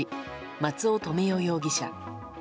松尾留与容疑者。